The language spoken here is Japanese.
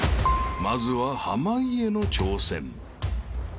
［まずは濱家の挑戦］